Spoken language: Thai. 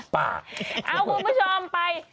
เอาคุณผู้ชมไป